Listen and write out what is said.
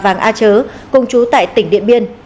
giàng a trớ cũng trú tại tỉnh điện biên